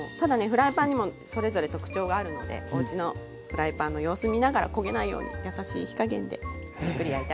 フライパンにもそれぞれ特徴があるのでおうちのフライパンの様子みながら焦げないようにやさしい火加減でじっくり焼いてあげて下さい。